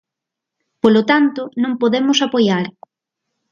Polo tanto, non podemos apoiar.